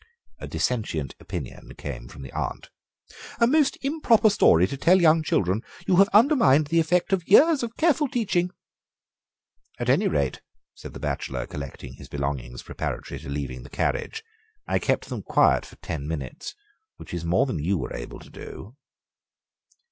A dissentient opinion came from the aunt. "A most improper story to tell to young children! You have undermined the effect of years of careful teaching." "At any rate," said the bachelor, collecting his belongings preparatory to leaving the carriage, "I kept them quiet for ten minutes, which was more than you were able to do."